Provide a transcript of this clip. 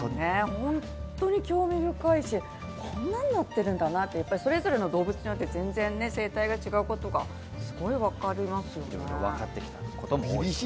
本当に興味深いし、こんなふうになってるんだなって、それぞれの動物によって全然生態が違うことがすごくわかりますよね。